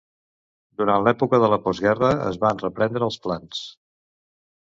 Durant l'època de la postguerra, es van reprendre els plans.